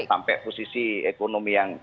sampai posisi ekonomi yang